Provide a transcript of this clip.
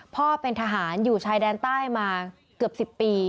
พ่อเป็นทหารอยู่ชายแดนใต้มาเกือบ๑๐ปี